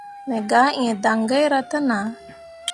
Me gah ĩĩ daŋgaira te nah.